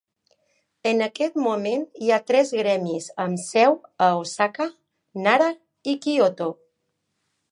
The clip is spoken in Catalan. En aquest moment hi ha tres gremis amb seu a Osaka, Nara y Kyoto.